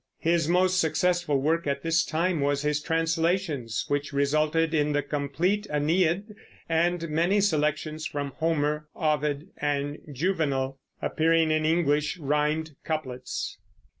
His most successful work at this time was his translations, which resulted in the complete Aeneid and many selections from Homer, Ovid, and Juvenal, appearing in English rimed couplets.